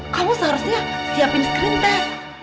kamu seharusnya siapin screen tech